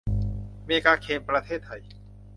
เมกาเคม ประเทศไทย